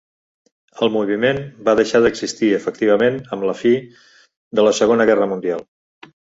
El moviment va deixar d'existir efectivament amb la fi de la Segona Guerra Mundial.